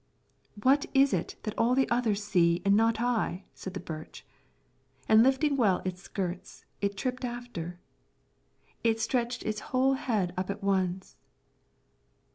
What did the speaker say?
"What is it all the others see, and not I?" said the birch; and lifting well its skirts, it tripped after. It stretched its whole head up at once.